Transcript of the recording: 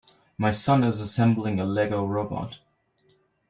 My son is assembling a Lego robot.